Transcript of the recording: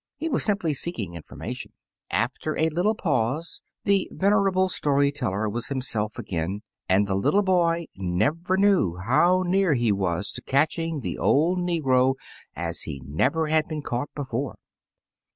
He was simply seeking information After a little pause, the venerable story teller was himself again, and the little boy never knew how near he was to catching the old ne gro as he never had been caught before.